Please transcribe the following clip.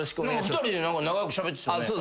２人で長くしゃべってたね。